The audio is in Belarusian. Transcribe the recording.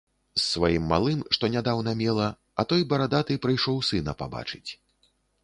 З сваім малым, што нядаўна мела, а той барадаты прыйшоў сына пабачыць.